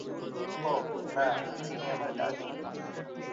ওহ, না, তিনি আমার দাদী।